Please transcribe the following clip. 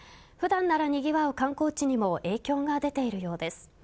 普段ならにぎわう観光地にも影響が出ているようです。